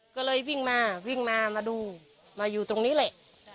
ก็เลยวิ่งมาวิ่งมามาดูมาอยู่ตรงนี้แหละ